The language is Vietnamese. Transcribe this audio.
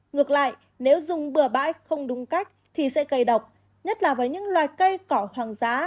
ngược lại nếu dùng bừa bãi không đúng cách thì sẽ cây độc nhất là với những loài cây cỏ hoàng giá